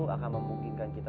akan memungkinkan kita